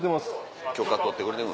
許可取ってくれてる。